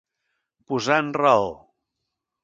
Posar en raó.